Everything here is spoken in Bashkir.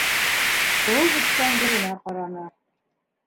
Тыуып-үҫкән еренә ҡараны.